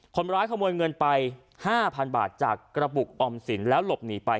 คนร้ายขโมยเงินไป๕๐๐๐บาทจากกระปุกออมสินแล้วหลบหนีไป